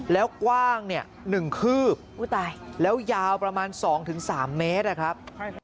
แล้วกว้างเนี่ย๑คืบแล้วยาวประมาณ๒๓เมตรนะครับ